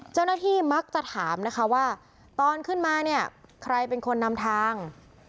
เจ้าหน้าที่มักจะถามนะคะว่าตอนขึ้นมาเนี่ยใครเป็นคนนำทาง